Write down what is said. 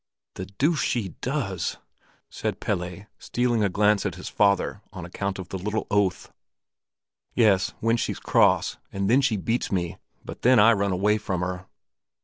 "The deuce she does!" said Pelle, stealing a glance at his father on account of the little oath. "Yes, when she's cross. And then she beats me, but then I run away from her."